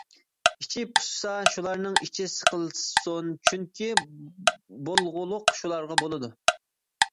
ئىچى پۇشسا شۇلارنىڭ ئىچى سىقىلسۇن. چۈنكى بولغۇلۇق شۇلارغا بولىدۇ.